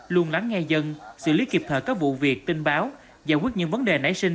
luôn lắng nghe dân xử lý kịp thời các vụ việc tin báo giải quyết những vấn đề nảy sinh